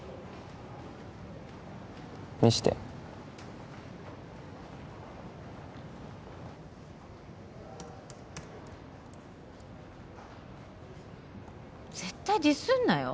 見して絶対ディスんなよ